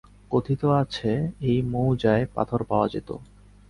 কথিত আছে এ মৌজায় পাথর পাওয়া যেত।